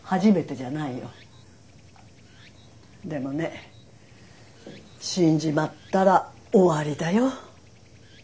でもね死んじまったら終わりだよ。